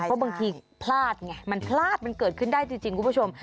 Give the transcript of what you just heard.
เพราะบางทีพลาดไงมันพลาดมันเกิดขึ้นได้จริงคุณผู้ชม